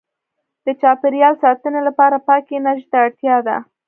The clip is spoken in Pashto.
• د چاپېریال ساتنې لپاره پاکې انرژۍ ته اړتیا ده.